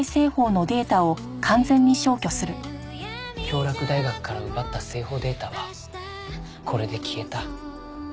京洛大学から奪った製法データはこれで消えた。